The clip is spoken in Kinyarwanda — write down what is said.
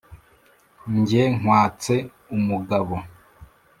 jye nkwatse umugabo.